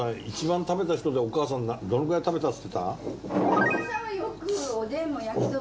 一番食べた人でお母さんどのくらい食べたって言ってた？